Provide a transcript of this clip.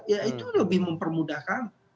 ya itu lebih mempermudahkan